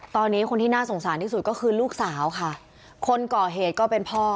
ตอนนี้คนที่น่าสงสารที่สุดก็คือลูกสาวค่ะคนก่อเหตุก็เป็นพ่อ